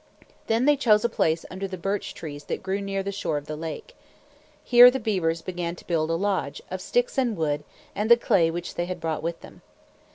Then they chose a place under the birch trees that grew near the shore of the lake. Here the beavers began to build a lodge, of sticks of wood and the clay which they had brought with them.